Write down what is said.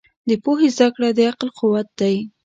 د پوهې زده کړه د عقل قوت دی.